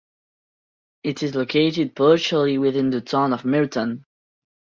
It is located partially within the Town of Merton.